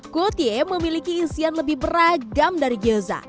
kutie memiliki isian lebih beragam dari gyoza